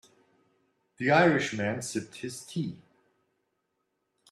The Irish man sipped his tea.